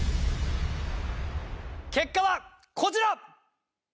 結果はこちら！